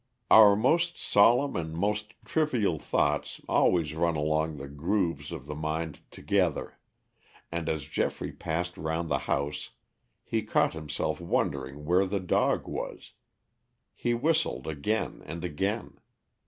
Our most solemn and most trivial thoughts always run along the grooves of the mind together, and as Geoffrey passed round the house he caught himself wondering where the dog was. He whistled again and again.